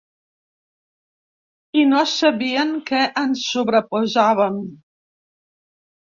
I no sabien que ens sobreposàvem.